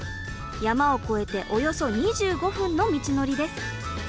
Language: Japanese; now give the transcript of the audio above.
山を越えておよそ２５分の道のりです。